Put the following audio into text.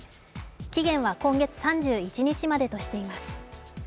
期限は今月３１日までとしています。